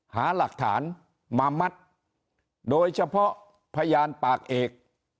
หาหลักฐานมามัดโดยเฉพาะพยานปากเอก